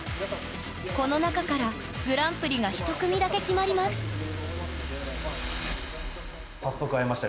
この中からグランプリが１組だけ決まります早速会えました。